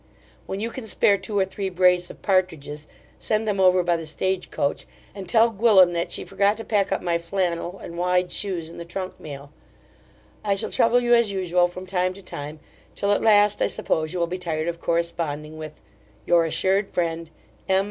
When you can spare two or three brace of partridges, send them over by the stagecoach, and tell Gwyllim that she forgot to pack up my flannel and wide shoes in the trunk mail I shall trouble you as usual, from time to time, till at last I suppose you will be tired of corresponding with Your assured friend, M.